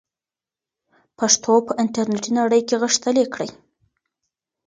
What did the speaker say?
پښتو په انټرنیټي نړۍ کې غښتلې کړئ.